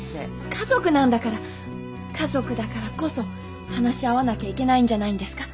家族なんだから家族だからこそ話し合わなきゃいけないんじゃないんですか？